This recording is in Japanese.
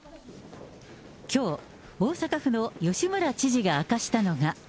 きょう、大阪府の吉村知事が明かしたのが。